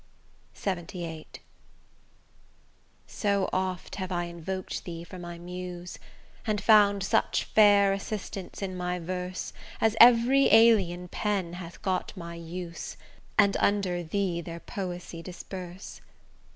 LXXVIII So oft have I invoked thee for my Muse, And found such fair assistance in my verse As every alien pen hath got my use And under thee their poesy disperse.